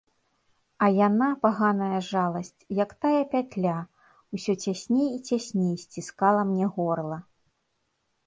А яна, паганая жаласць, як тая пятля, усё цясней і цясней сціскала мне горла.